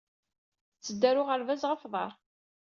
Ttedduɣ ɣer uɣerbaz ɣef uḍar.